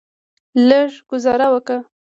لږه ګوزاره وکه.